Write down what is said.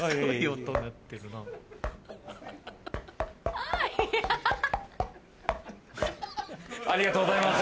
ありがとうございます。